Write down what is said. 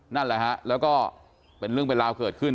นั่นแหละฮะแล้วก็เป็นเรื่องเป็นราวเกิดขึ้น